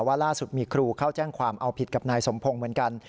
ล่าสุดมีครูเข้าแจ้งความเอาผิดกับนายสมพงศ์เหมือนกัน